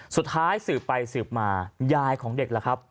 สุดท้ายสืบไปสืบมายายของเด็กล่ะครับ